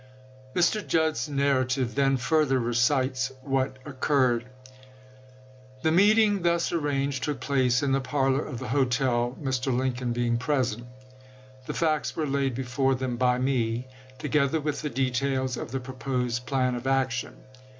Mr. Judd's narrative then further recites what occurred : The meeting thus arranged took place in the parlor of the hotel, Mr. Lincoln being present. The facts were laid before them by me, together with the details of the pro posed plan of action.